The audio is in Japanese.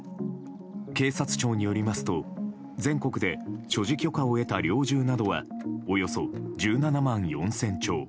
警察庁によりますと全国で所持許可を得た猟銃などはおよそ１７万４０００丁。